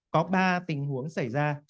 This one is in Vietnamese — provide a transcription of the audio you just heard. có ba tình huống xảy ra